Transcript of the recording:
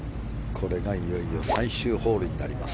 これがいよいよ最終ホールになります。